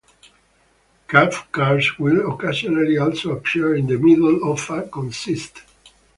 Cab cars will occasionally also appear in the middle of a consist.